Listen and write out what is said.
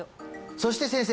そして先生